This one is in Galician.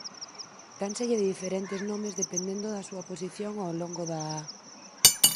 Dánselles diferentes nomes dependendo da súa posición ao longo da á.